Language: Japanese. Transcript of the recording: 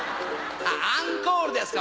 あっアンコールですか